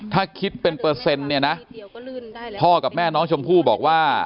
ถ้าคิดเป็นเปอร์เซ็นต์เนี่ยนะพ่อกับแม่น้องชมพู่บอกว่า